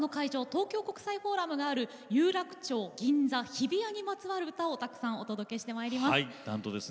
東京国際フォーラムがある有楽町、銀座、日比谷にまつわる歌をお届けしてまいります。